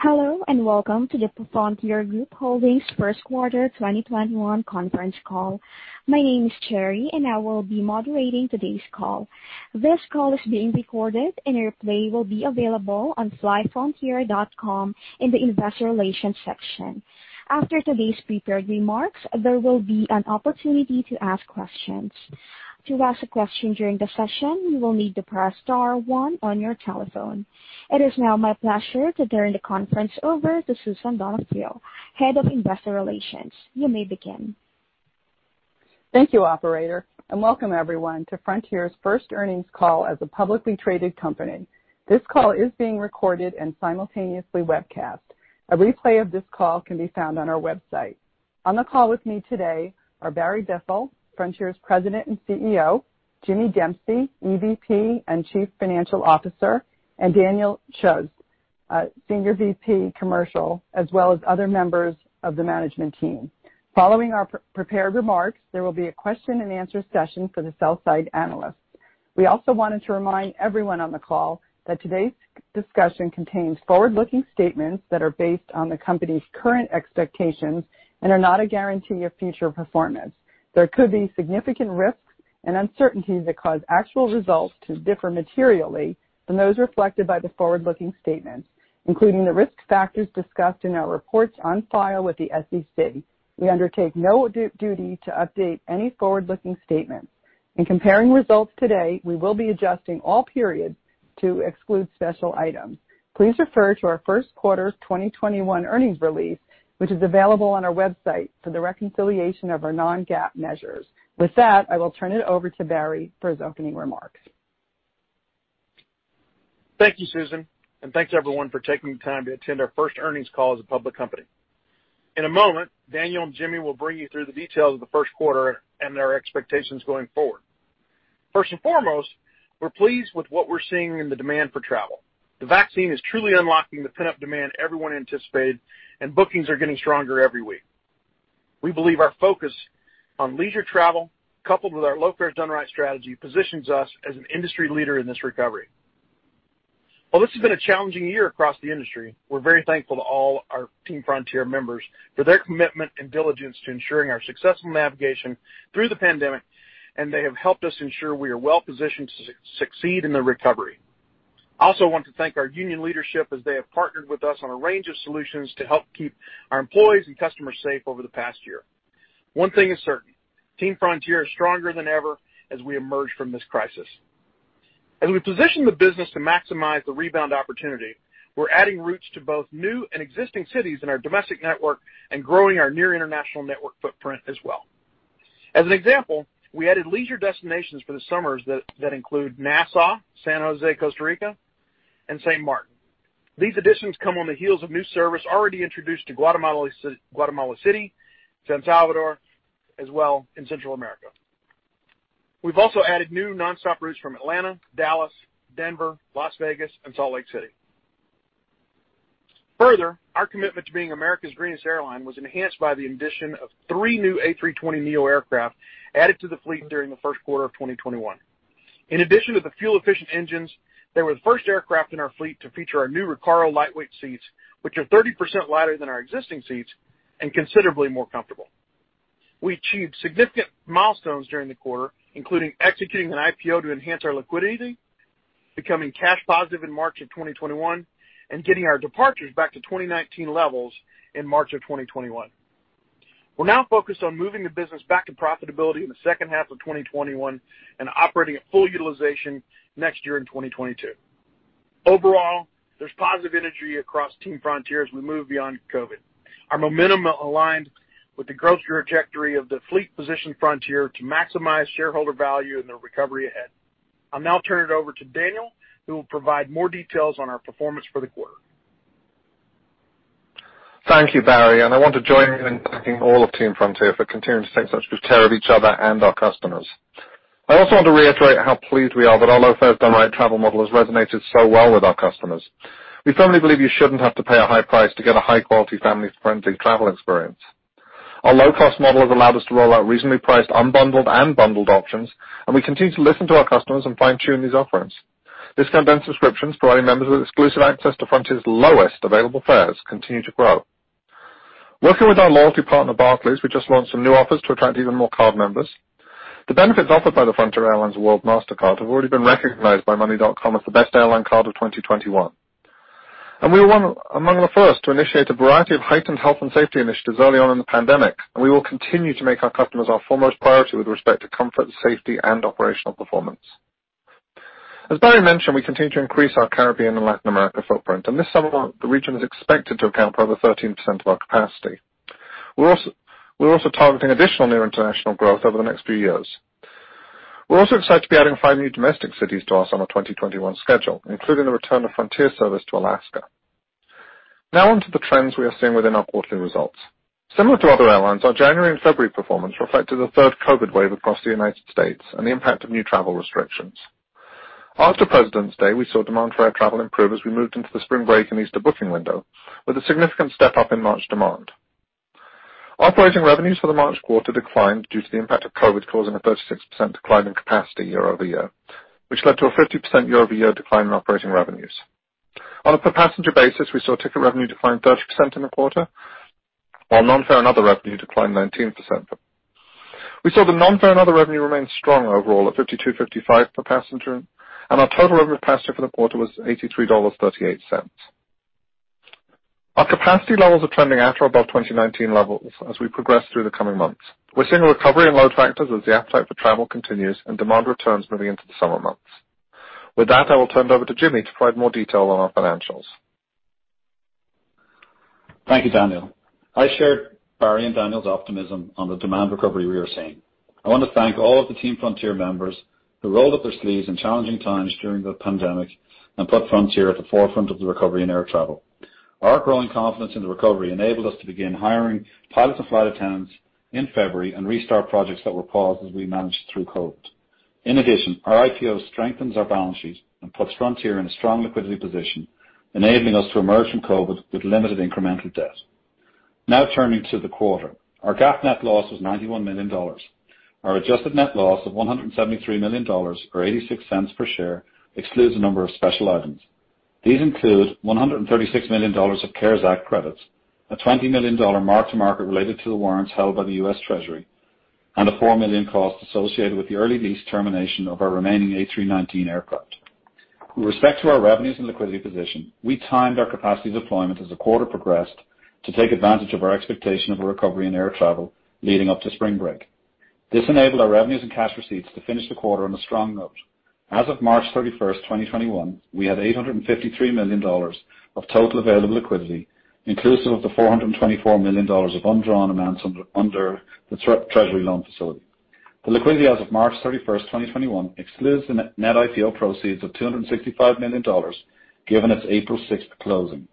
Hello, and Welcome to the Frontier Group Holdings first quarter 2021 conference call. My name is Cherry, and I will be moderating today's call. This call is being recorded and a replay will be available on flyfrontier.com in the investor relations section. After today's prepared remarks, there will be an opportunity to ask questions. To ask a question during the session, you will need to press star one on your telephone. It is now my pleasure to turn the conference over to Susan Donofrio, Head of Investor Relations. You may begin. Thank you, operator. Welcome everyone to Frontier's first earnings call as a publicly traded company. This call is being recorded and simultaneously webcast. A replay of this call can be found on our website. On the call with me today are Barry Biffle, Frontier's President and CEO, Jimmy Dempsey, EVP and Chief Financial Officer, and Daniel Shurz, Senior VP Commercial, as well as other members of the management team. Following our prepared remarks, there will be a question-and-answer session for the sell-side analysts. We also wanted to remind everyone on the call that today's discussion contains forward-looking statements that are based on the company's current expectations and are not a guarantee of future performance. There could be significant risks and uncertainties that cause actual results to differ materially from those reflected by the forward-looking statements, including the risk factors discussed in our reports on file with the SEC. We undertake no duty to update any forward-looking statements. In comparing results today, we will be adjusting all periods to exclude special items. Please refer to our first quarter 2021 earnings release, which is available on our website for the reconciliation of our non-GAAP measures. With that, I will turn it over to Barry for his opening remarks. Thank you, Susan. Thanks everyone for taking the time to attend our first earnings call as a public company. In a moment, Daniel and Jimmy will bring you through the details of the first quarter and our expectations going forward. First and foremost, we're pleased with what we're seeing in the demand for travel. The vaccine is truly unlocking the pent-up demand everyone anticipated, and bookings are getting stronger every week. We believe our focus on leisure travel, coupled with our low fares done right strategy, positions us as an industry leader in this recovery. While this has been a challenging year across the industry, we're very thankful to all our Team Frontier members for their commitment and diligence to ensuring our successful navigation through the pandemic, and they have helped us ensure we are well-positioned to succeed in the recovery. I also want to thank our union leadership as they have partnered with us on a range of solutions to help keep our employees and customers safe over the past year. One thing is certain: Team Frontier is stronger than ever as we emerge from this crisis. As we position the business to maximize the rebound opportunity, we're adding routes to both new and existing cities in our domestic network and growing our near international network footprint as well. As an example, we added leisure destinations for the summers that include Nassau, San Jose, Costa Rica, and St. Martin. These additions come on the heels of new service already introduced to Guatemala City, San Salvador, as well in Central America. We've also added new nonstop routes from Atlanta, Dallas, Denver, Las Vegas, and Salt Lake City. Further, our commitment to being America's greenest airline was enhanced by the addition of three new Airbus A320neo aircraft added to the fleet during the first quarter of 2021. In addition to the fuel-efficient engines, they were the first aircraft in our fleet to feature our new Recaro lightweight seats, which are 30% lighter than our existing seats and considerably more comfortable. We achieved significant milestones during the quarter, including executing an IPO to enhance our liquidity, becoming cash positive in March of 2021, and getting our departures back to 2019 levels in March of 2021. We're now focused on moving the business back to profitability in the second half of 2021 and operating at full utilization next year in 2022. Overall, there's positive energy across Team Frontier as we move beyond COVID. Our momentum aligned with the growth trajectory of the fleet-positioned Frontier to maximize shareholder value in the recovery ahead. I'll now turn it over to Daniel, who will provide more details on our performance for the quarter. Thank you, Barry. I want to join you in thanking all of Team Frontier for continuing to take such good care of each other and our customers. I also want to reiterate how pleased we are that our low fares done right travel model has resonated so well with our customers. We firmly believe you shouldn't have to pay a high price to get a high-quality, family-friendly travel experience. Our low-cost model has allowed us to roll out reasonably priced, unbundled, and bundled options, and we continue to listen to our customers and fine-tune these offerings. Discount Den subscriptions providing members with exclusive access to Frontier's lowest available fares continue to grow. Working with our loyalty partner, Barclays, we just launched some new offers to attract even more card members. The benefits offered by the FRONTIER Airlines World Mastercard have already been recognized by Money.com as the best airline card of 2021. We were among the first to initiate a variety of heightened health and safety initiatives early on in the pandemic, we will continue to make our customers our foremost priority with respect to comfort, safety, and operational performance. As Barry mentioned, we continue to increase our Caribbean and Latin America footprint, this summer, the region is expected to account for over 13% of our capacity. We're also targeting additional near international growth over the next few years. We're also excited to be adding five new domestic cities to our summer 2021 schedule, including the return of Frontier service to Alaska. Now on to the trends we are seeing within our quarterly results. Similar to other airlines, our January and February performance reflected the third COVID wave across the United States and the impact of new travel restrictions. After President's Day, we saw demand for air travel improve as we moved into the spring break and Easter booking window with a significant step-up in March demand. Our operating revenues for the March quarter declined due to the impact of COVID causing a 36% decline in capacity year-over-year, which led to a 50% year-over-year decline in operating revenues. On a per passenger basis, we saw ticket revenue decline 30% in the quarter, while non-fare and other revenue declined 19%. We saw the non-fare and other revenue remain strong overall at $52.55 per passenger, and our total revenue per passenger for the quarter was $83.38. Our capacity levels are trending at or above 2019 levels as we progress through the coming months. We're seeing a recovery in load factors as the appetite for travel continues and demand returns moving into the summer months. With that, I will turn it over to Jimmy to provide more detail on our financials. Thank you, Daniel. I share Barry and Daniel's optimism on the demand recovery we are seeing. I want to thank all of the Team Frontier members who rolled up their sleeves in challenging times during the pandemic and put Frontier at the forefront of the recovery in air travel. Our growing confidence in the recovery enabled us to begin hiring pilots and flight attendants in February and restart projects that were paused as we managed through COVID. In addition, our IPO strengthens our balance sheet and puts Frontier in a strong liquidity position, enabling us to emerge from COVID with limited incremental debt. Now turning to the quarter. Our GAAP net loss was $91 million. Our adjusted net loss of $173 million, or $0.86 per share, excludes a number of special items. These include $136 million of CARES Act credits, a $20 million mark-to-market related to the warrants held by the U.S. Treasury, and a $4 million cost associated with the early lease termination of our remaining Airbus A319 aircraft. With respect to our revenues and liquidity position, we timed our capacity deployment as the quarter progressed to take advantage of our expectation of a recovery in air travel leading up to spring break. This enabled our revenues and cash receipts to finish the quarter on a strong note. As of March 31st, 2021, we had $853 million of total available liquidity, inclusive of the $424 million of undrawn amounts under the Treasury loan facility. The liquidity as of March 31st, 2021, excludes the net IPO proceeds of $265 million, given its April 6th closing.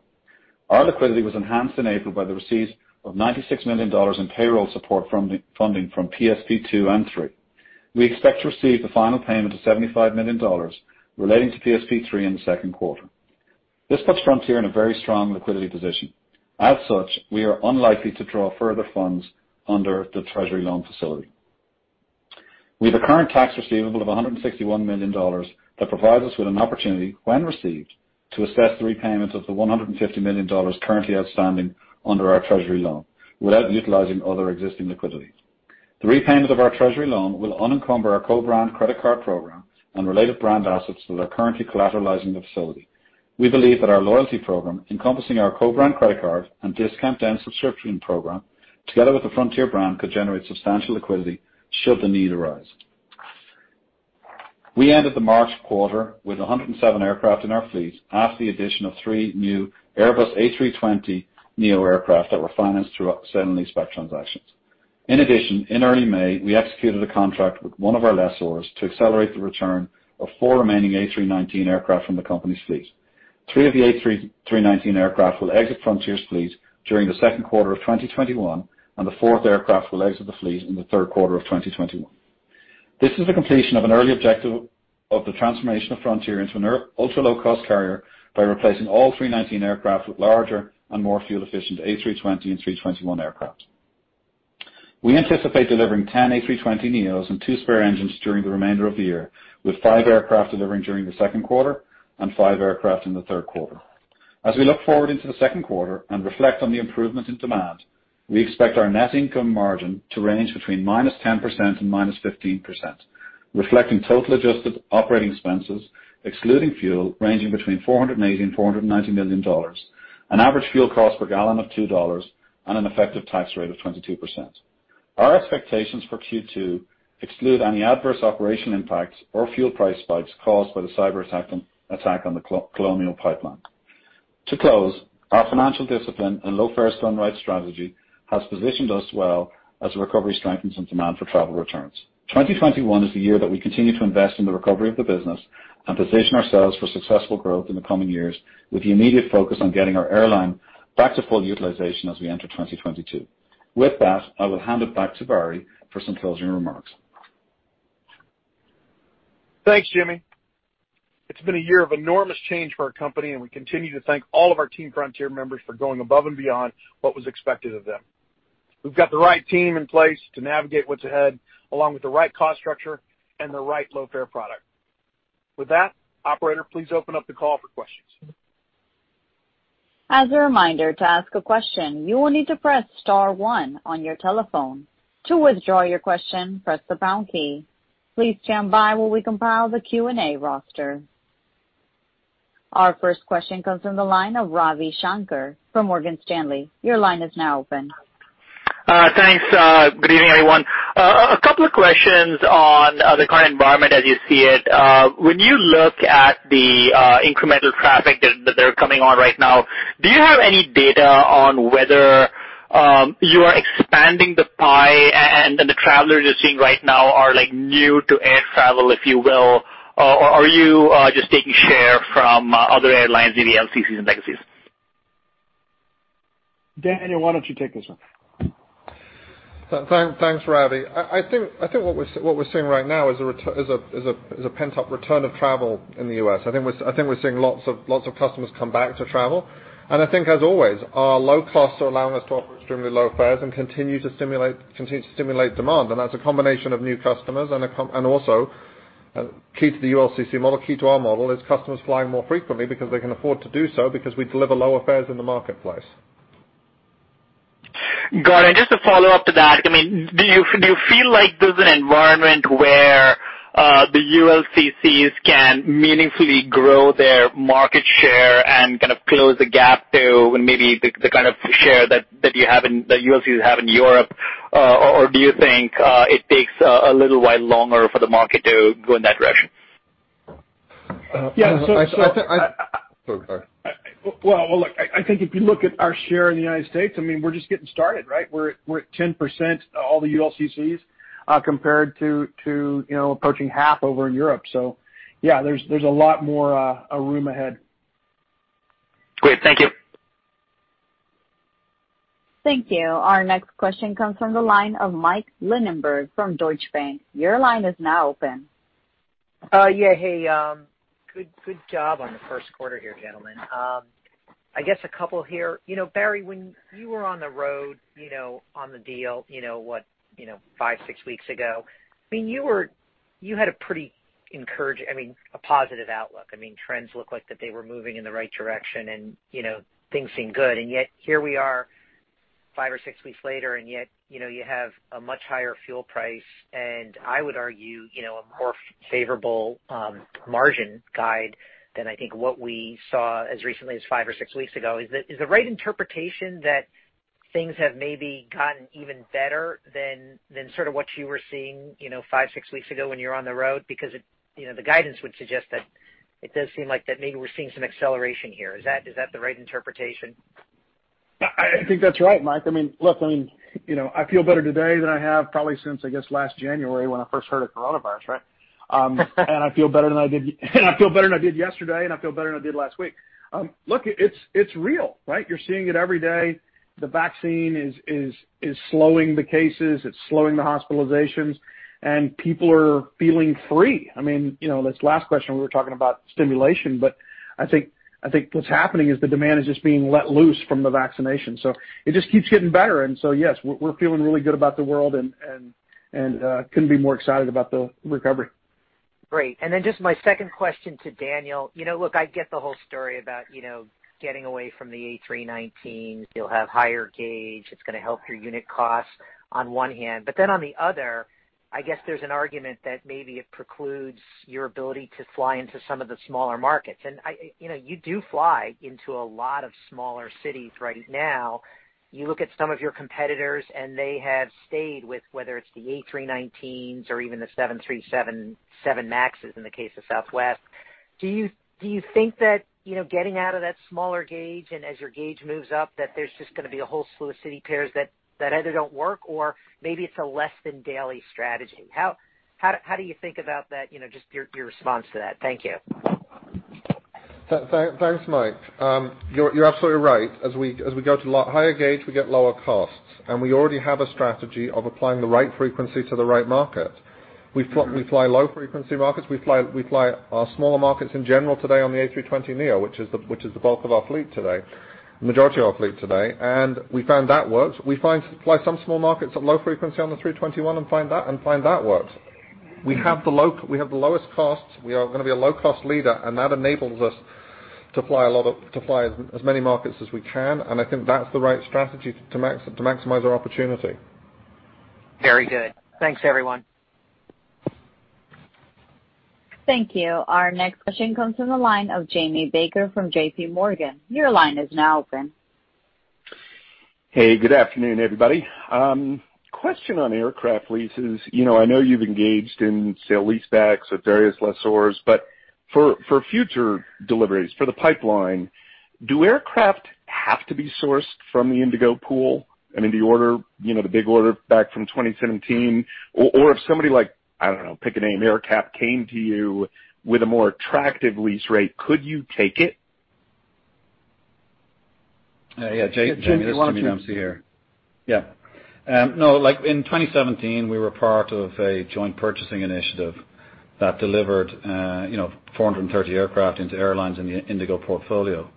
Our liquidity was enhanced in April by the receipt of $96 million in payroll support funding from PSP2 and PSP3. We expect to receive the final payment of $75 million relating to PSP3 in the second quarter. This puts Frontier in a very strong liquidity position. As such, we are unlikely to draw further funds under the Treasury loan facility. We have a current tax receivable of $161 million that provides us with an opportunity, when received, to assess the repayment of the $150 million currently outstanding under our Treasury loan without utilizing other existing liquidity. The repayment of our Treasury loan will unencumber our co-brand credit card program and related brand assets that are currently collateralizing the facility. We believe that our loyalty program, encompassing our co-brand credit card and discount and subscription program, together with the Frontier brand, could generate substantial liquidity should the need arise. We ended the March quarter with 107 aircraft in our fleet after the addition of three new Airbus A320neo aircraft that were financed through a sale and leaseback transaction. In addition, in early May, we executed a contract with one of our lessors to accelerate the return of four remaining A319 aircraft from the company's fleet. Three of the Airbus A319 aircraft will exit Frontier's fleet during the second quarter of 2021, and the fourth aircraft will exit the fleet in the third quarter of 2021. This is the completion of an early objective of the transformation of Frontier into an ultra-low-cost carrier by replacing all Airbus A319 aircraft with larger and more fuel-efficient Airbus A320 and Airbus A321 aircraft. We anticipate delivering 10 Airbus A320neos and two spare engines during the remainder of the year, with five aircraft delivering during the second quarter and five aircraft in the third quarter. As we look forward into the second quarter and reflect on the improvement in demand, we expect our net income margin to range between -10% and -15%, reflecting total adjusted operating expenses excluding fuel, ranging between $480 and $490 million, an average fuel cost per gallon of $2, and an effective tax rate of 22%. Our expectations for Q2 exclude any adverse operation impacts or fuel price spikes caused by the cyber attack on the Colonial Pipeline. To close, our financial discipline and low fares done right strategy has positioned us well as recovery strengthens and demand for travel returns. 2021 is the year that we continue to invest in the recovery of the business and position ourselves for successful growth in the coming years with the immediate focus on getting our airline back to full utilization as we enter 2022. With that, I will hand it back to Barry for some closing remarks. Thanks, Jimmy. It's been a year of enormous change for our company, and we continue to thank all of our Team Frontier members for going above and beyond what was expected of them. We've got the right team in place to navigate what's ahead, along with the right cost structure and the right low-fare product. With that, operator, please open up the call for questions. As a reminder, to ask a question, you will need to press star one on your telephone. To withdraw your question, press the pound key. Please stand by while we compile the Q&A roster. Our first question comes from the line of Ravi Shanker from Morgan Stanley. Your line is now open. Thanks. Good evening, everyone. A couple of questions on the current environment as you see it. When you look at the incremental traffic that they're coming on right now, do you have any data on whether you are expanding the pie and the travelers you're seeing right now are new to air travel, if you will? Or are you just taking share from other airlines in the LCCs and legacies? Daniel, why don't you take this one? Thanks, Ravi. I think what we're seeing right now is a pent-up return of travel in the U.S. I think we're seeing lots of customers come back to travel. I think as always, our low costs are allowing us to offer extremely low fares and continue to stimulate demand. That's a combination of new customers, and also, key to the ULCC model, key to our model, is customers flying more frequently because they can afford to do so because we deliver lower fares in the marketplace. Got it. Just to follow up to that, do you feel like there's an environment where the ULCCs can meaningfully grow their market share and close the gap to maybe the kind of share that ULCCs have in Europe? Or do you think it takes a little while longer for the market to go in that direction? Yeah. Sorry. Well, look, I think if you look at our share in the United States, we're just getting started, right? We're at 10%, all the ULCCs, compared to approaching half over in Europe. Yeah, there's a lot more room ahead. Great. Thank you. Thank you. Our next question comes from the line of Mike Linenberg from Deutsche Bank. Your line is now open. Yeah. Hey, good job on the first quarter here, gentlemen. I guess a couple here. Barry, when you were on the road on the deal, what, five, six weeks ago, you had a pretty encouraging, a positive outlook. Trends looked like that they were moving in the right direction, and things seemed good. Yet here we are five or six weeks later, and yet you have a much higher fuel price, and I would argue, a more favorable margin guide than I think what we saw as recently as five or six weeks ago. Is the right interpretation that things have maybe gotten even better than sort of what you were seeing five, six weeks ago when you were on the road? The guidance would suggest that it does seem like that maybe we're seeing some acceleration here. Is that the right interpretation? I think that's right, Mike. Look, I feel better today than I have probably since, I guess, last January when I first heard of coronavirus, right? I feel better than I did yesterday, and I feel better than I did last week. Look, it's real, right? You're seeing it every day. The vaccine is slowing the cases. It's slowing the hospitalizations. People are feeling free. This last question, we were talking about stimulation, but I think what's happening is the demand is just being let loose from the vaccination. It just keeps getting better. Yes, we're feeling really good about the world and couldn't be more excited about the recovery. Great. Just my second question to Daniel. Look, I get the whole story about getting away from the A319s. You'll have higher gauge. It's going to help your unit cost on one hand. On the other, I guess there's an argument that maybe it precludes your ability to fly into some of the smaller markets. You do fly into a lot of smaller cities right now. You look at some of your competitors, they have stayed with whether it's the A319s or even the Boeing 737 MAX in the case of Southwest. Do you think that getting out of that smaller gauge as your gauge moves up, that there's just going to be a whole slew of city pairs that either don't work or maybe it's a less than daily strategy? How do you think about that, just your response to that? Thank you. Thanks, Mike. You're absolutely right. As we go to higher gauge, we get lower costs. We already have a strategy of applying the right frequency to the right market. We fly low-frequency markets. We fly our smaller markets in general today on the Airbus A320neo, which is the bulk of our fleet today, majority of our fleet today. We found that works. We fly some small markets at low frequency on the Airbus A321 and find that works. We have the lowest costs. We are going to be a low-cost leader, and that enables us to fly as many markets as we can, and I think that's the right strategy to maximize our opportunity. Very good. Thanks, everyone. Thank you. Our next question comes from the line of Jamie Baker from JPMorgan. Your line is now open. Hey, good afternoon, everybody. Question on aircraft leases. I know you've engaged in sale-leasebacks with various lessors. For future deliveries, for the pipeline, do aircraft have to be sourced from the Indigo pool? I mean, the big order back from 2017, or if somebody like, I don't know, pick a name, AerCap, came to you with a more attractive lease rate, could you take it? Yeah, Jamie, this is Jimmy Dempsey here. [inaudible] No, in 2017, we were part of a joint purchasing initiative that delivered 430 aircraft into airlines in the Indigo portfolio.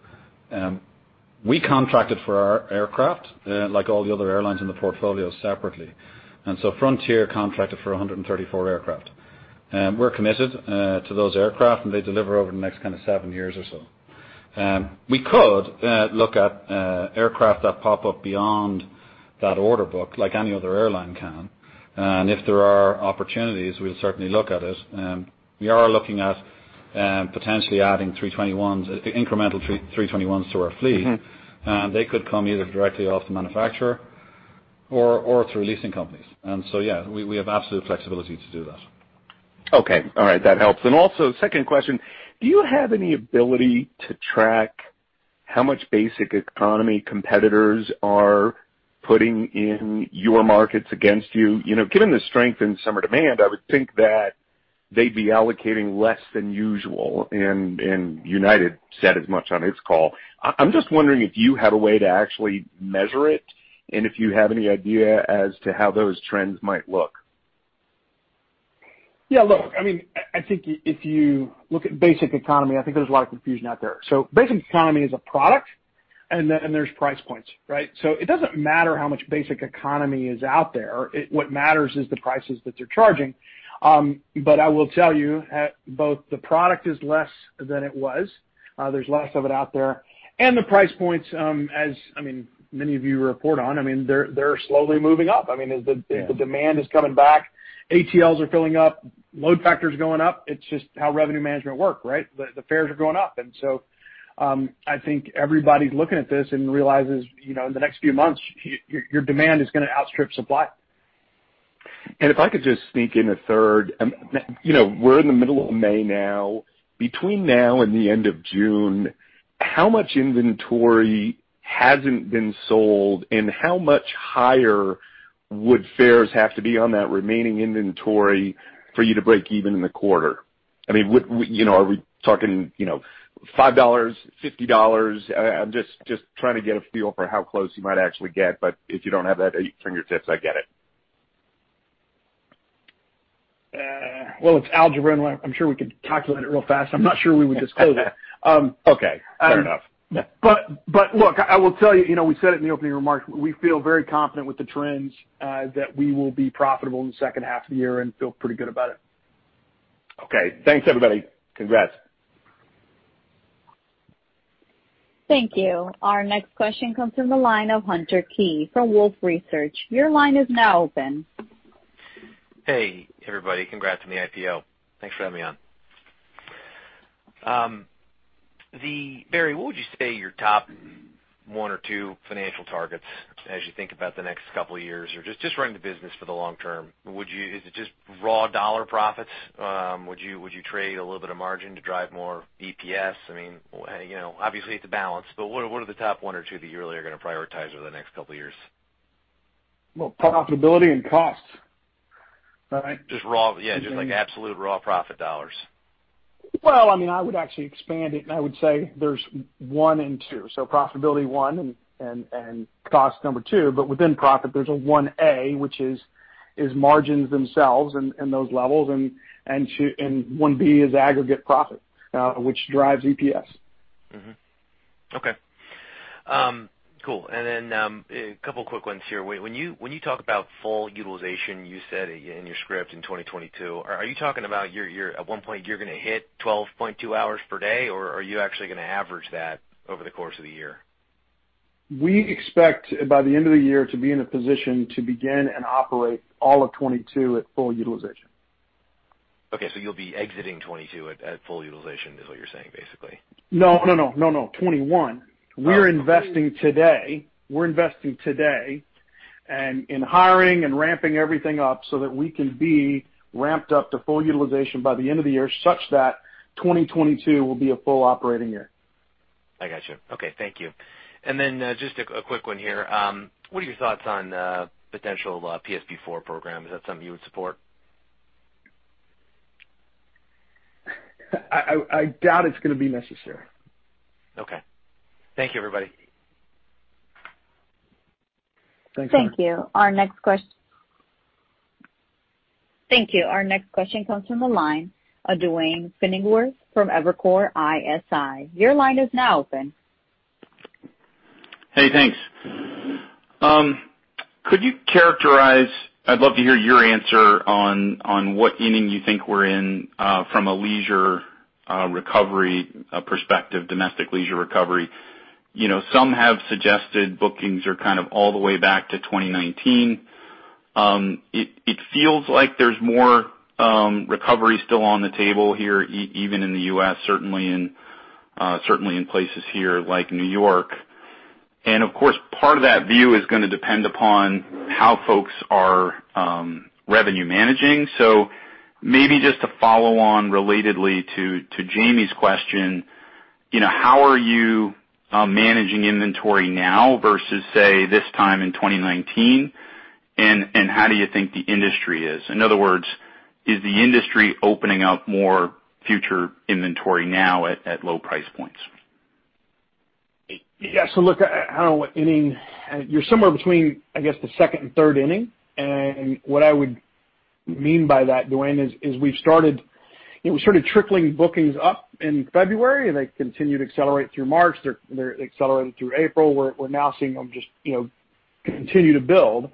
We contracted for our aircraft, like all the other airlines in the portfolio, separately. Frontier contracted for 134 aircraft. We're committed to those aircraft, and they deliver over the next kind of seven years or so. We could look at aircraft that pop up beyond that order book like any other airline can. If there are opportunities, we'll certainly look at it. We are looking at potentially adding incremental A321s to our fleet. They could come either directly off the manufacturer or through leasing companies. Yeah, we have absolute flexibility to do that. Okay. All right. That helps. Also, second question, do you have any ability to track how much basic economy competitors are putting in your markets against you? Given the strength in summer demand, I would think that. They'd be allocating less than usual, and United said as much on its call. I'm just wondering if you have a way to actually measure it, and if you have any idea as to how those trends might look. Yeah, look, I think if you look at basic economy, I think there's a lot of confusion out there. Basic economy is a product, and then there's price points, right? It doesn't matter how much basic economy is out there, what matters is the prices that they're charging. I will tell you, both the product is less than it was, there's less of it out there, and the price points as many of you report on, they're slowly moving up. Yeah. As the demand is coming back, ATLs are filling up, load factors going up. It's just how revenue management work, right? The fares are going up. I think everybody's looking at this and realizes, in the next few months, your demand is going to outstrip supply. If I could just sneak in a third. We're in the middle of May now. Between now and the end of June, how much inventory hasn't been sold, and how much higher would fares have to be on that remaining inventory for you to break even in the quarter? Are we talking $5, $50? I'm just trying to get a feel for how close you might actually get, but if you don't have that at your fingertips, I get it. Well, it's algebra, and I'm sure we could calculate it real fast. I'm not sure we would disclose it. Okay. Fair enough. Yeah. Look, I will tell you, we said it in the opening remarks, we feel very confident with the trends that we will be profitable in the second half of the year and feel pretty good about it. Okay. Thanks, everybody. Congrats. Thank you. Our next question comes from the line of Hunter Keay from Wolfe Research. Your line is now open. Hey, everybody. Congrats on the IPO. Thanks for having me on. Barry, what would you say your top one or two financial targets as you think about the next couple of years or just running the business for the long term? Is it just raw dollar profits? Would you trade a little bit of margin to drive more EPS? Obviously, it's a balance, but what are the top one or two that you really are going to prioritize over the next couple of years? Well, profitability and costs, right? Just raw. Yeah, just like absolute raw profit dollars. I would actually expand it and I would say there's one and two. Profitability, one and cost, number two, but within profit, there's a 1A, which is margins themselves and those levels, and 1B is aggregate profit, which drives EPS. Okay. Cool. Then, a couple of quick ones here. When you talk about full utilization, you said in your script in 2022, are you talking about at one point, you're going to hit 12.2 hours per day or are you actually going to average that over the course of the year? We expect by the end of the year to be in a position to begin and operate all of 2022 at full utilization. Okay, you'll be exiting 2022 at full utilization is what you're saying, basically? No. 2021. We're investing today in hiring and ramping everything up so that we can be ramped up to full utilization by the end of the year such that 2022 will be a full operating year. I got you. Okay. Thank you. Just a quick one here. What are your thoughts on potential PSP4 program? Is that something you would support? I doubt it's going to be necessary. Okay. Thank you, everybody. Thanks, Hunter. Thank you. Our next question comes from the line of Duane Pfennigwerth from Evercore ISI. Your line is now open. Hey, thanks. Could you characterize? I'd love to hear your answer on what inning you think we're in from a leisure recovery perspective, domestic leisure recovery. Some have suggested bookings are kind of all the way back to 2019. It feels like there's more recovery still on the table here, even in the U.S., certainly in places here like New York. Of course, part of that view is going to depend upon how folks are revenue managing. Maybe just to follow on relatedly to Jamie Baker's question, how are you managing inventory now versus, say, this time in 2019? How do you think the industry is? In other words, is the industry opening up more future inventory now at low price points? Yeah. Look, I don't know what inning. You're somewhere between, I guess, the second and third inning. What I would mean by that, Duane, is we started trickling bookings up in February, and they continued to accelerate through March. They accelerated through April. We're now seeing them just continue to build.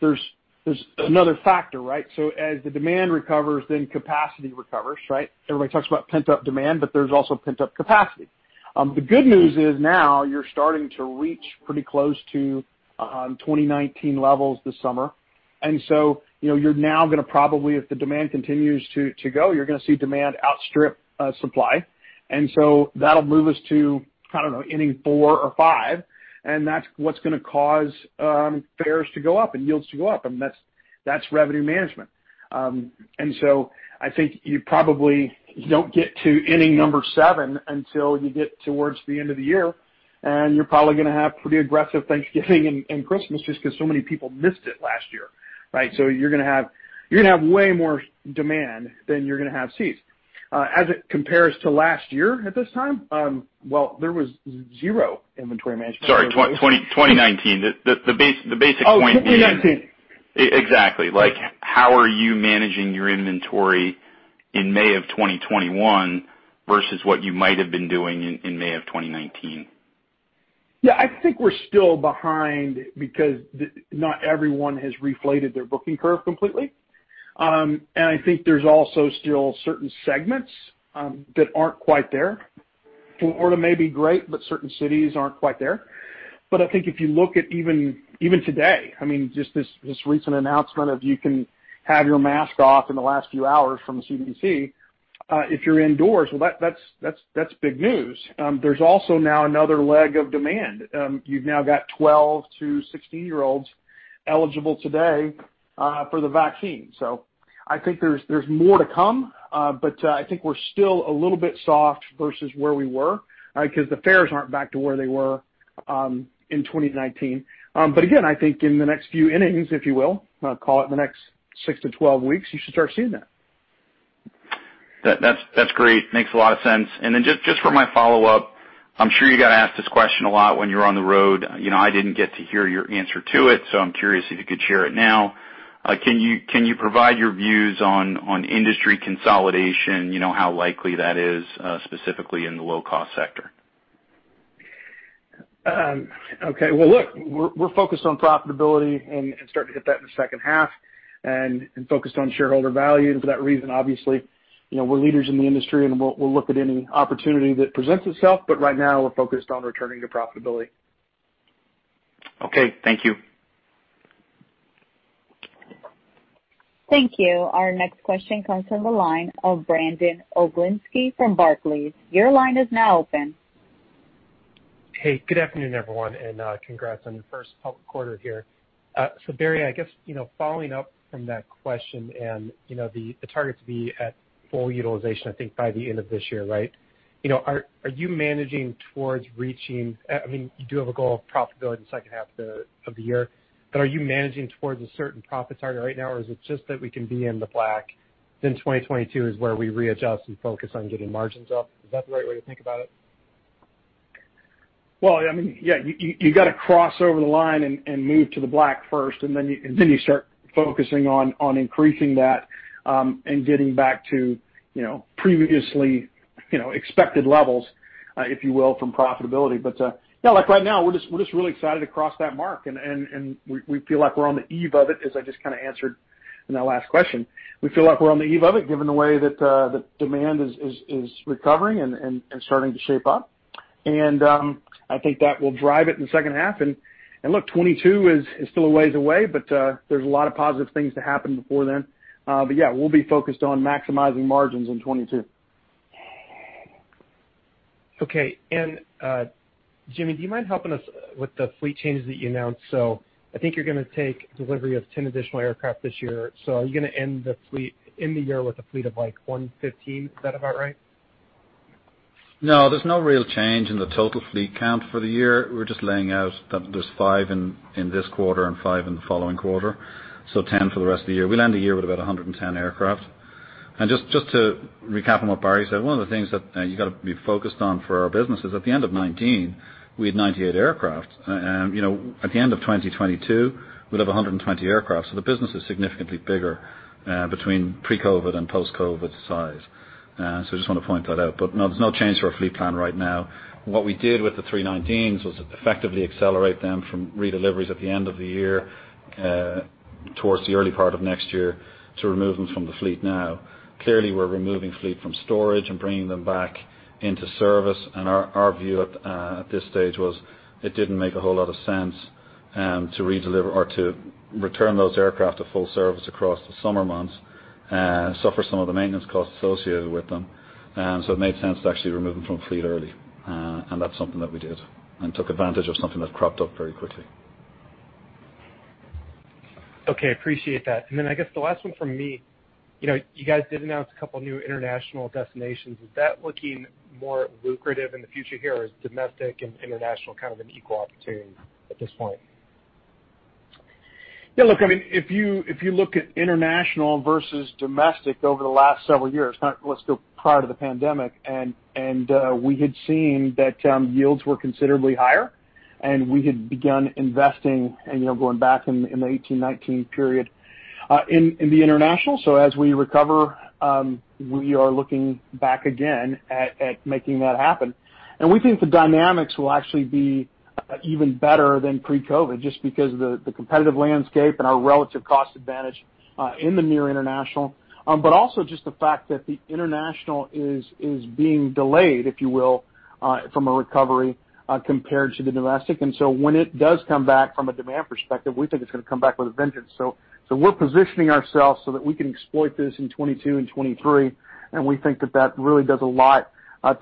There's another factor, right? As the demand recovers, then capacity recovers, right? Everybody talks about pent-up demand, but there's also pent-up capacity. The good news is now you're starting to reach pretty close to 2019 levels this summer, and so you're now going to probably, if the demand continues to go, you're going to see demand outstrip supply. That'll move us to, I don't know, inning four or five, and that's what's going to cause fares to go up and yields to go up, and that's revenue management. I think you probably don't get to inning number seven until you get towards the end of the year, and you're probably going to have pretty aggressive Thanksgiving and Christmas just because so many people missed it last year, right? You're going to have way more demand than you're going to have seats. As it compares to last year at this time, well, there was zero inventory management. Sorry, 2019. Oh, 2019. Exactly. How are you managing your inventory in May of 2021 versus what you might have been doing in May of 2019? Yeah. I think we're still behind because not everyone has reflated their booking curve completely. I think there's also still certain segments that aren't quite there. Florida may be great, certain cities aren't quite there. I think if you look at even today, just this recent announcement of you can have your mask off in the last few hours from the CDC if you're indoors, well, that's big news. There's also now another leg of demand. You've now got 12 to 16-year-olds eligible today for the vaccine. I think there's more to come. I think we're still a little bit soft versus where we were, because the fares aren't back to where they were in 2019. Again, I think in the next few innings, if you will, call it in the next 6-12 weeks, you should start seeing that. That's great. Makes a lot of sense. Just for my follow-up, I'm sure you got asked this question a lot when you're on the road. I didn't get to hear your answer to it, so I'm curious if you could share it now. Can you provide your views on industry consolidation? How likely that is, specifically in the low-cost sector? Okay. Well, look, we're focused on profitability and starting to hit that in the second half, and focused on shareholder value. For that reason, obviously, we're leaders in the industry, and we'll look at any opportunity that presents itself. Right now, we're focused on returning to profitability. Okay. Thank you. Thank you. Our next question comes from the line of Brandon Oglenski from Barclays. Your line is now open. Hey, good afternoon, everyone, and congrats on your first public quarter here. Barry, I guess, following up from that question and the target to be at full utilization, I think, by the end of this year. You do have a goal of profitability in the second half of the year, but are you managing towards a certain profit target right now, or is it just that we can be in the black, then 2022 is where we readjust and focus on getting margins up? Is that the right way to think about it? Well, yeah. You got to cross over the line and move to the black first, and then you start focusing on increasing that and getting back to previously expected levels, if you will, from profitability. No. Right now, we're just really excited to cross that mark, and we feel like we're on the eve of it, as I just kind of answered in that last question. We feel like we're on the eve of it, given the way that the demand is recovering and starting to shape up. I think that will drive it in the second half. Look, 2022 is still a ways away, but there's a lot of positive things to happen before then. Yeah, we'll be focused on maximizing margins in 2022. Okay. Jimmy, do you mind helping us with the fleet changes that you announced? I think you're going to take delivery of 10 additional aircraft this year. Are you going to end the year with a fleet of, like, 115? Is that about right? There's no real change in the total fleet count for the year. We're just laying out that there's five in this quarter and five in the following quarter. 10 for the rest of the year. We'll end the year with about 110 aircraft. Just to recap on what Barry said, one of the things that you got to be focused on for our business is at the end of 2019, we had 98 aircraft. At the end of 2022, we'll have 120 aircraft, so the business is significantly bigger between pre-COVID and post-COVID size. I just want to point that out. No, there's no change to our fleet plan right now. What we did with the A319s was effectively accelerate them from redeliveries at the end of the year towards the early part of next year to remove them from the fleet now. Clearly, we're removing fleet from storage and bringing them back into service. Our view at this stage was it didn't make a whole lot of sense to return those aircraft to full service across the summer months, suffer some of the maintenance costs associated with them. It made sense to actually remove them from fleet early. That's something that we did and took advantage of something that cropped up very quickly. Okay. Appreciate that. I guess the last one from me. You guys did announce a couple of new international destinations. Is that looking more lucrative in the future here, or is domestic and international kind of an equal opportunity at this point? Look, if you look at international versus domestic over the last several years, let's go prior to the pandemic, and we had seen that yields were considerably higher, and we had begun investing and going back in the 2018, 2019 period in the international. As we recover, we are looking back again at making that happen. We think the dynamics will actually be even better than pre-COVID, just because of the competitive landscape and our relative cost advantage in the near international. Also just the fact that the international is being delayed, if you will, from a recovery compared to the domestic. When it does come back from a demand perspective, we think it's going back with a vengeance. We're positioning ourselves so that we can exploit this in 2022 and 2023, and we think that that really does a lot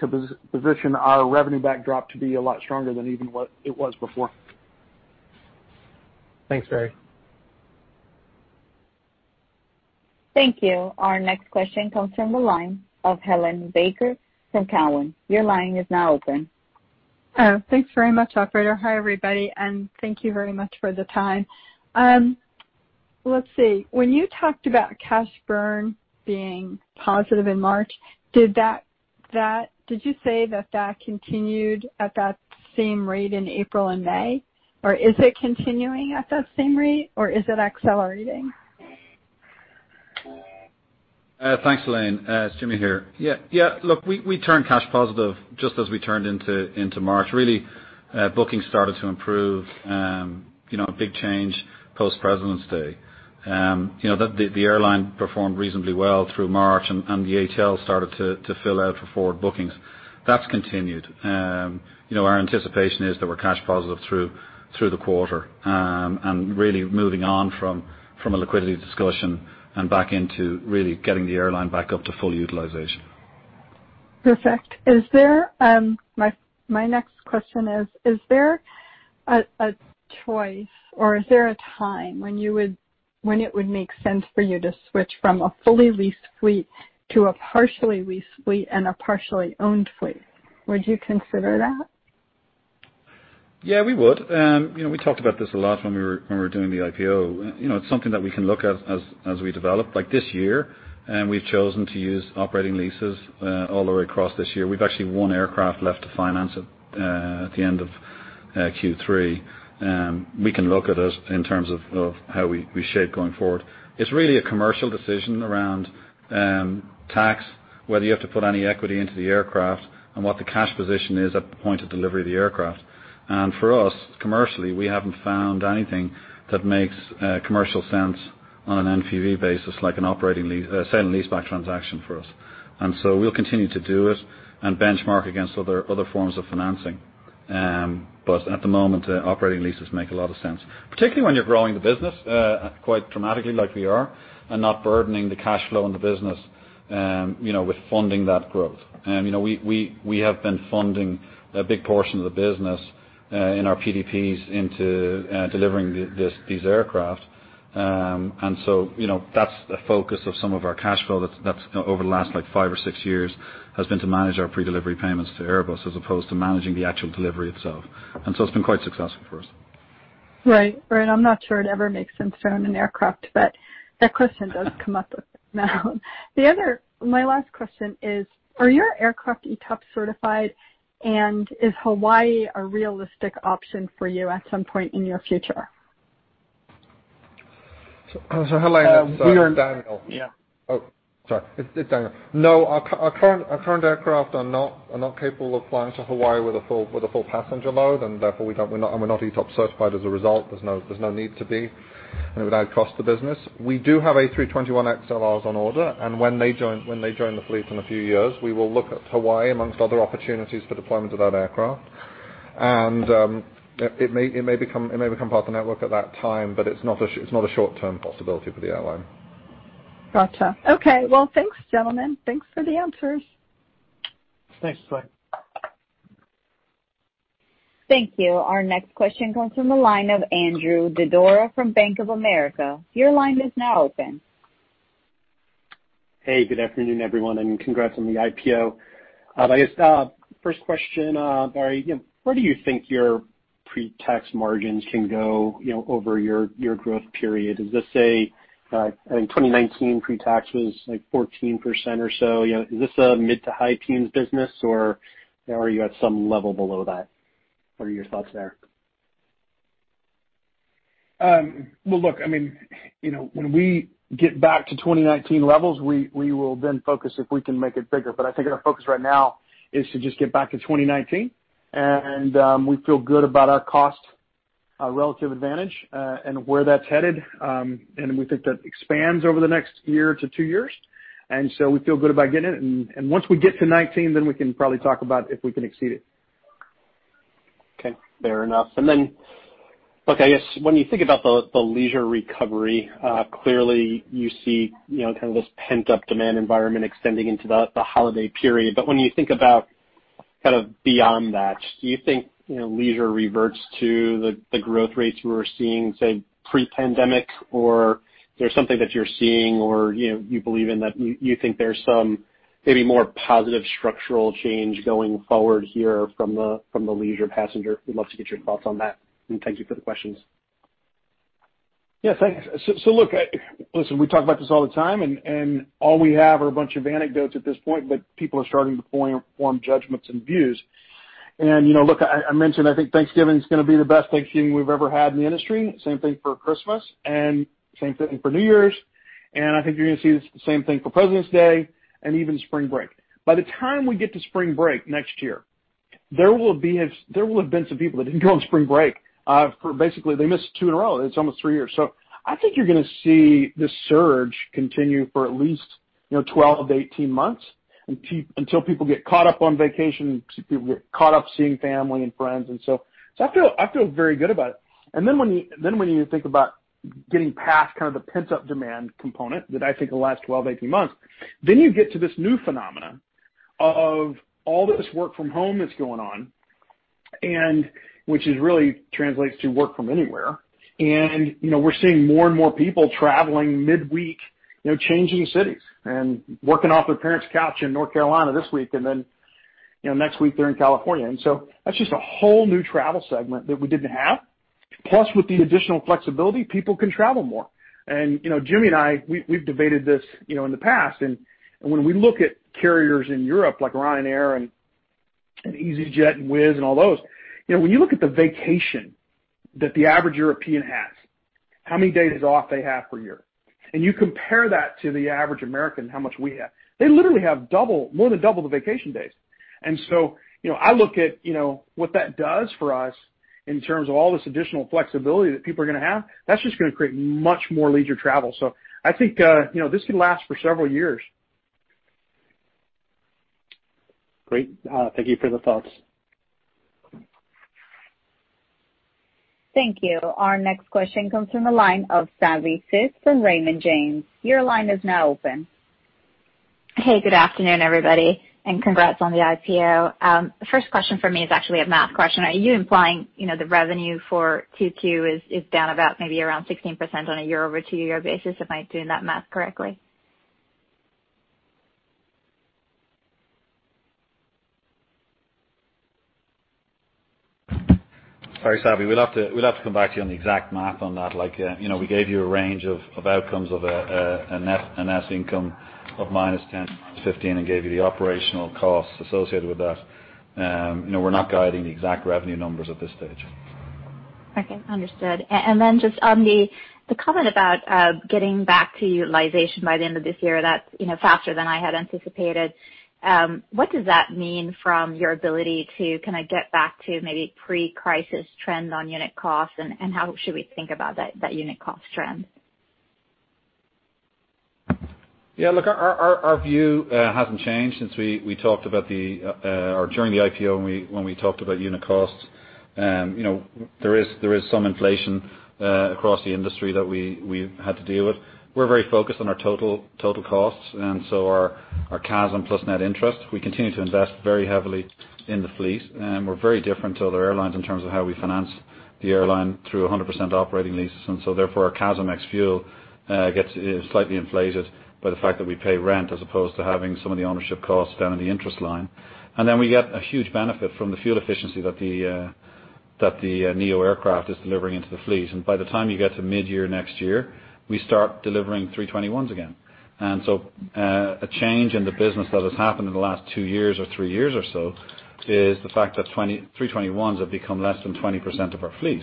to position our revenue backdrop to be a lot stronger than even what it was before. Thanks, Barry. Thank you. Our next question comes from the line of Helane Becker from TD Cowen. Your line is now open. Thanks very much, operator. Hi, everybody, and thank you very much for the time. Let's see. When you talked about cash burn being positive in March, did you say that that continued at that same rate in April and May? Is it continuing at that same rate, or is it accelerating? Thanks, Helane. It's Jimmy here. Yeah. Look, we turned cash positive just as we turned into March. Really, booking started to improve, a big change post-President's Day. The airline performed reasonably well through March, and the ATLs started to fill out for forward bookings. That's continued. Our anticipation is that we're cash positive through the quarter, and really moving on from a liquidity discussion and back into really getting the airline back up to full utilization. Perfect. My next question is there a choice or is there a time when it would make sense for you to switch from a fully leased fleet to a partially leased fleet and a partially owned fleet? Would you consider that? We would. We talked about this a lot when we were doing the IPO. It's something that we can look at as we develop. Like this year, we've chosen to use operating leases all the way across this year. We've actually one aircraft left to finance at the end of Q3. We can look at it in terms of how we shape going forward. It's really a commercial decision around tax, whether you have to put any equity into the aircraft, and what the cash position is at the point of delivery of the aircraft. For us, commercially, we haven't found anything that makes commercial sense on an NPV basis like a sale and leaseback transaction for us. We'll continue to do it and benchmark against other forms of financing. At the moment, operating leases make a lot of sense, particularly when you're growing the business quite dramatically like we are and not burdening the cash flow in the business with funding that growth. We have been funding a big portion of the business in our PDPs into delivering these aircraft. That's a focus of some of our cash flow that over the last five or six years has been to manage our predelivery payments to Airbus as opposed to managing the actual delivery itself. It's been quite successful for us. Right. I'm not sure it ever makes sense to own an aircraft. That question does come up a bit now. My last question is, are your aircraft ETOPS certified? Is Hawaii a realistic option for you at some point in your future? Helane Becker, it's Daniel. Yeah. Oh, sorry. It's Daniel. No, our current aircraft are not capable of flying to Hawaii with a full passenger load, and therefore we're not ETOPS certified as a result. There's no need to be. It would add cost to business. We do have A321XLR on order, and when they join the fleet in a few years, we will look at Hawaii amongst other opportunities for deployment of that aircraft. It may become part of the network at that time, but it's not a short-term possibility for the airline. Gotcha. Okay. Well, thanks, gentlemen. Thanks for the answers. Thanks, Helane. Thank you. Our next question comes from the line of Andrew Didora from Bank of America. Your line is now open. Hey, good afternoon, everyone, congrats on the IPO. I guess first question, Barry. Where do you think your pre-tax margins can go over your growth period? In 2019, pre-tax was like 14% or so. Is this a mid-to-high teens business, or are you at some level below that? What are your thoughts there? Well, look, when we get back to 2019 levels, we will then focus if we can make it bigger. I think our focus right now is to just get back to 2019. We feel good about our cost relative advantage and where that's headed. We think that expands over the next year to two years. We feel good about getting it. Once we get to '19, then we can probably talk about if we can exceed it. Okay. Fair enough. Then, look, I guess when you think about the leisure recovery, clearly you see kind of this pent-up demand environment extending into the holiday period. When you think about kind of beyond that, do you think leisure reverts to the growth rates we were seeing, say, pre-pandemic? There's something that you're seeing or you believe in that you think there's some maybe more positive structural change going forward here from the leisure passenger? We'd love to get your thoughts on that, and thank you for the questions. Yeah, thanks. Look, listen, we talk about this all the time, and all we have are a bunch of anecdotes at this point, but people are starting to form judgments and views. Look, I mentioned, I think Thanksgiving's going to be the best Thanksgiving we've ever had in the industry. Same thing for Christmas and same thing for New Year's. I think you're going to see the same thing for President's Day and even spring break. By the time we get to spring break next year, there will have been some people that didn't go on spring break for basically they missed two in a row. It's almost three years. I think you're going to see this surge continue for at least 12-18 months until people get caught up on vacation, people get caught up seeing family and friends and so forth. I feel very good about it. When you think about getting past kind of the pent-up demand component that I think the last 12, 18 months, then you get to this new phenomenon of all this work from home that's going on, which really translates to work from anywhere. We're seeing more and more people traveling midweek, changing cities and working off their parents' couch in North Carolina this week and then Next week they're in California. That's just a whole new travel segment that we didn't have. Plus, with the additional flexibility, people can travel more. Jimmy and I, we've debated this in the past, when we look at carriers in Europe like Ryanair and easyJet and Wizz and all those, when you look at the vacation that the average European has, how many days off they have per year, and you compare that to the average American, how much we have, they literally have more than double the vacation days. I look at what that does for us in terms of all this additional flexibility that people are going to have. That's just going to create much more leisure travel. I think this could last for several years. Great. Thank you for the thoughts. Thank you. Our next question comes from the line of Savanthi Syth from Raymond James. Your line is now open. Hey, good afternoon, everybody, and congrats on the IPO. First question for me is actually a math question. Are you implying the revenue for Q2 is down about maybe around 16% on a year-over-two-year basis? Am I doing that math correctly? Sorry, Savi. We'll have to come back to you on the exact math on that. We gave you a range of outcomes of a net income of $-10, $-15, and gave you the operational costs associated with that. We're not guiding the exact revenue numbers at this stage. Okay, understood. Just on the comment about getting back to utilization by the end of this year, that's faster than I had anticipated. What does that mean from your ability to kind of get back to maybe pre-crisis trends on unit costs, and how should we think about that unit cost trend? Yeah, look, our view hasn't changed since we talked about or during the IPO when we talked about unit costs. There is some inflation across the industry that we've had to deal with. We're very focused on our total costs, our CASM plus net interest. We continue to invest very heavily in the fleet. We're very different to other airlines in terms of how we finance the airline through 100% operating leases. Therefore, our CASM ex fuel gets slightly inflated by the fact that we pay rent as opposed to having some of the ownership costs down in the interest line. We get a huge benefit from the fuel efficiency that the neo aircraft is delivering into the fleet. By the time you get to mid-year next year, we start delivering 321s again. A change in the business that has happened in the last two years or three years or so is the fact that A321s have become less than 20% of our fleet.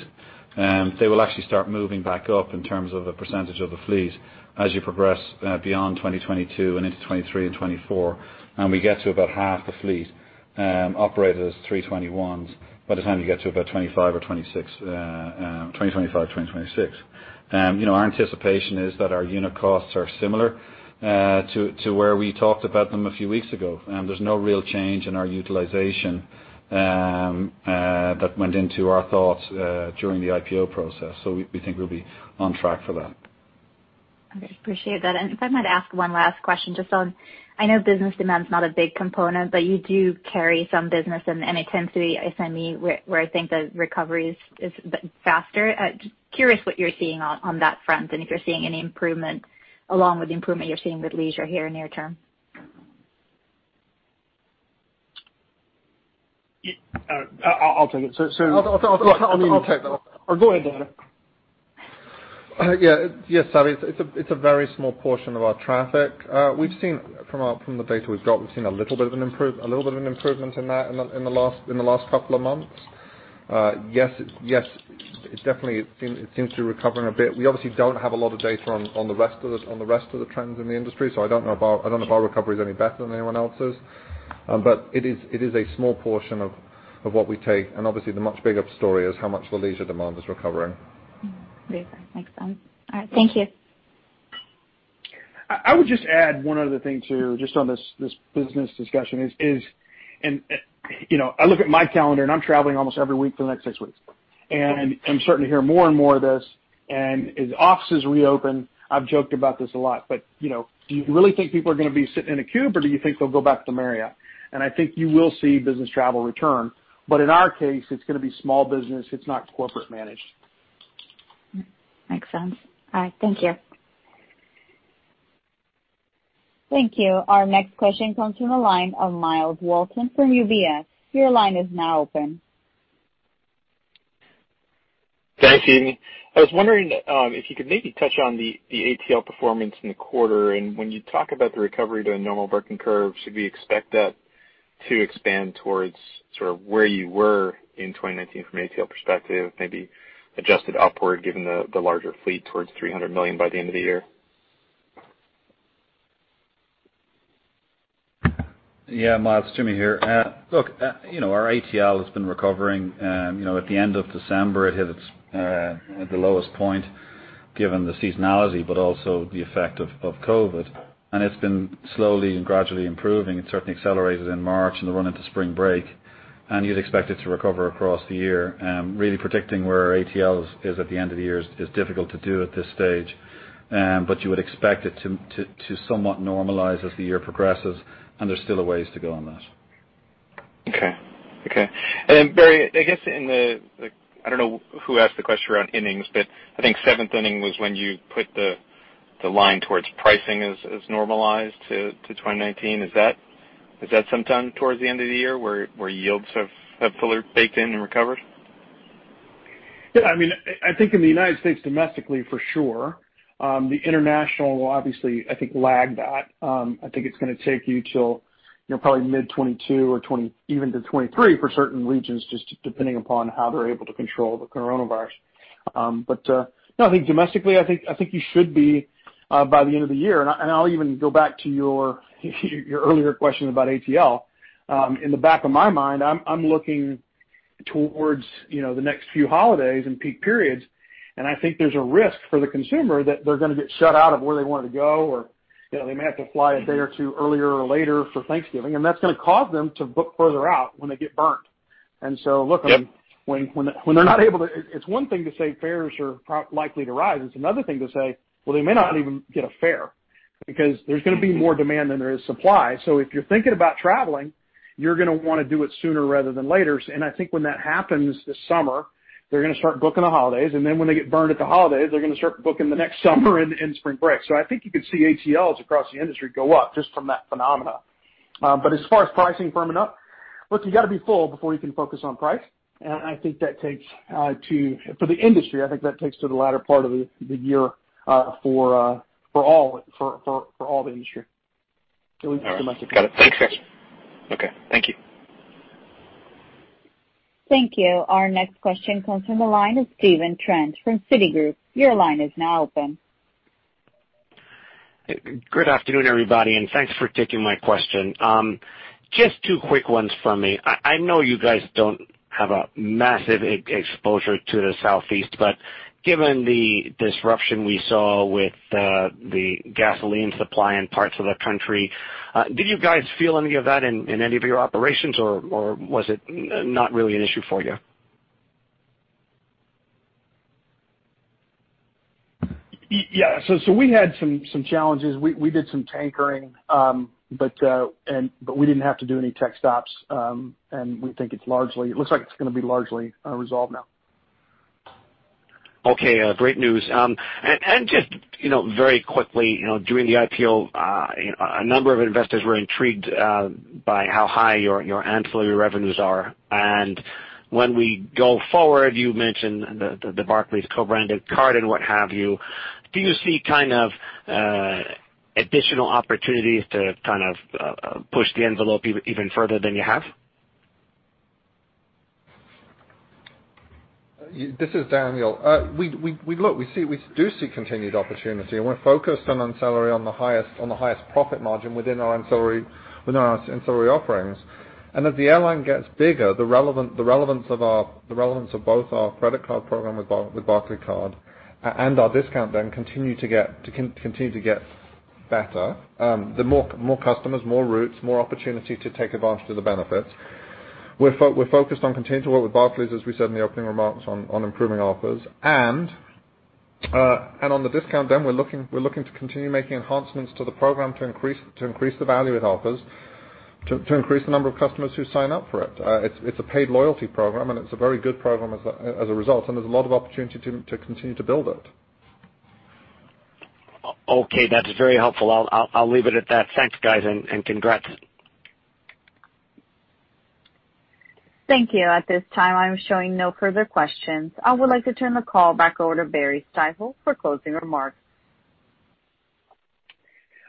They will actually start moving back up in terms of the percentage of the fleet as you progress beyond 2022 and into 2023 and 2024, and we get to about half the fleet operated as A321s by the time you get to about 2025 or 2026. Our anticipation is that our unit costs are similar to where we talked about them a few weeks ago. There's no real change in our utilization that went into our thoughts during the IPO process. We think we'll be on track for that. Okay. Appreciate that. If I might ask one last question just on, I know business demand is not a big component, but you do carry some business, and it tends to be, it seems to me, where I think the recovery is faster. Curious what you're seeing on that front, and if you're seeing any improvement along with the improvement you're seeing with leisure here near term. I'll take it. I'll take that one. Go ahead, Barry. Yeah. Savi, it's a very small portion of our traffic. From the data we've got, we've seen a little bit of an improvement in that in the last couple of months. Yes, it definitely seems to be recovering a bit. We obviously don't have a lot of data on the rest of the trends in the industry. I don't know if our recovery is any better than anyone else's. It is a small portion of what we take, and obviously the much bigger story is how much the leisure demand is recovering. Great. Makes sense. All right. Thank you. I would just add one other thing, too, just on this business discussion is, I look at my calendar and I'm traveling almost every week for the next six weeks. I'm starting to hear more and more of this. As offices reopen, I've joked about this a lot, but do you really think people are going to be sitting in a cube, or do you think they'll go back to Marriott? I think you will see business travel return. In our case, it's going to be small business. It's not corporate managed. Makes sense. All right. Thank you. Thank you. Our next question comes from the line of Myles Walton from UBS. Your line is now open. Thanks for having me. I just wondering if you could maybe catch on the ATL performing in a quarter. When you talk about the recovery to a normal working curve, should we expect that to expand towards sort of where you were in 2019 from ATL perspective, maybe adjusted upward given the larger fleet towards $300 million by the end of the year? Yeah, Myles, Jimmy here. Look, our ATL has been recovering. At the end of December, it hit the lowest point given the seasonality, but also the effect of COVID, and it's been slowly and gradually improving. It certainly accelerated in March in the run into spring break, and you'd expect it to recover across the year. Really predicting where our ATL is at the end of the year is difficult to do at this stage. You would expect it to somewhat normalize as the year progresses, and there's still a ways to go on that. Okay. Barry, I guess I don't know who asked the question around innings, but I think seventh inning was when you put the line towards pricing is normalized to 2019. Is that sometime towards the end of the year where yields have fully baked in and recovered? Yeah. I think in the United States domestically, for sure. The international will obviously, I think, lag that. I think it's going to take you till probably mid 2022 or even to 2023 for certain regions, just depending upon how they're able to control the coronavirus. No, I think domestically, I think you should be by the end of the year. I'll even go back to your earlier question about ATL. In the back of my mind, I'm looking towards the next few holidays and peak periods, and I think there's a risk for the consumer that they're going to get shut out of where they wanted to go, or they may have to fly a day or two earlier or later for Thanksgiving, and that's going to cause them to book further out when they get burned. Yep. Look, it's one thing to say fares are likely to rise, it's another thing to say, well, they may not even get a fare because there's going to be more demand than there is supply. If you're thinking about traveling, you're going to want to do it sooner rather than later. I think when that happens this summer, they're going to start booking the holidays. When they get burned at the holidays, they're going to start booking the next summer and spring break. I think you could see ATL's across the industry go up just from that phenomena. As far as pricing firming up, look, you got to be full before you can focus on price. I think that takes, for the industry, I think that takes to the latter part of the year for all the industry, at least domestically. All right. Got it. Thanks. Okay. Thank you. Thank you. Our next question comes from the line of Steve Trent from Citigroup. Your line is now open. Good afternoon, everybody, thanks for taking my question. Just two quick ones from me. I know you guys don't have a massive exposure to the Southeast, given the disruption we saw with the gasoline supply in parts of the country, did you guys feel any of that in any of your operations, or was it not really an issue for you? We had some challenges. We did some tankering. We didn't have to do any tech stops. We think it looks like it's going to be largely resolved now. Okay, great news. Just very quickly, during the IPO, a number of investors were intrigued by how high your ancillary revenues are. When we go forward, you mentioned the Barclays co-branded card and what have you. Do you see kind of additional opportunities to kind of push the envelope even further than you have? This is Daniel. Look, we do see continued opportunity, and we're focused on ancillary on the highest profit margin within our ancillary offerings. As the airline gets bigger, the relevance of both our credit card program with Barclaycard and our discount then continue to get better, the more customers, more routes, more opportunity to take advantage of the benefits. We're focused on continuing to work with Barclays, as we said in the opening remarks, on improving offers. On the discount, then we're looking to continue making enhancements to the program to increase the value it offers to increase the number of customers who sign up for it. It's a paid loyalty program, and it's a very good program as a result, and there's a lot of opportunity to continue to build it. Okay. That's very helpful. I'll leave it at that. Thanks, guys, and congrats. Thank you. At this time, I'm showing no further questions. I would like to turn the call back over to Barry Biffle for closing remarks.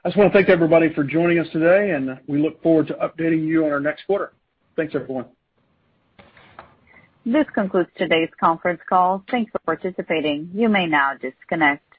I just want to thank everybody for joining us today. We look forward to updating you on our next quarter. Thanks, everyone. This concludes today's conference call. Thanks for participating. You may now disconnect.